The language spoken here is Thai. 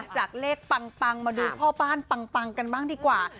จากเลขปังมาดูพ่อบ้านปังกันบ้างดีกว่า